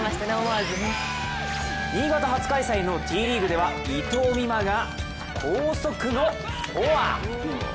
新潟初開催のＴリーグでは伊藤美誠が高速のフォア。